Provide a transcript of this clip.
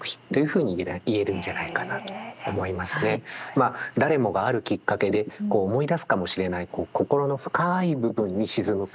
まあ誰もがあるきっかけで思い出すかもしれない心の深い部分に沈む感触